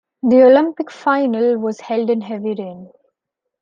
The Olympic final was held in heavy rain.